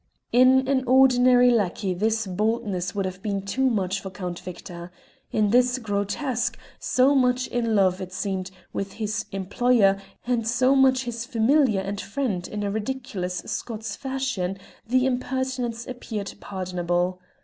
In an ordinary lackey this boldness would have been too much for Count Victor; in this grotesque, so much in love, it seemed, with his employer, and so much his familiar and friend in a ridiculous Scots fashion, the impertinence appeared pardonable.